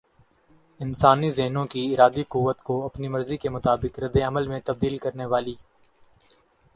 انسانی ذہنوں کی ارادی قوت کو اپنی مرضی کے مطابق ردعمل میں تبدیل کرنے والی